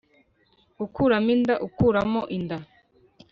GUKURAMO INDA ukuramo inda